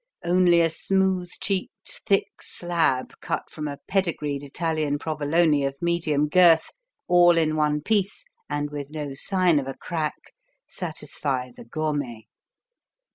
Only a smooth cheeked, thick slab cut from a pedigreed Italian Provolone of medium girth, all in one piece and with no sign of a crack, satisfy the gourmet.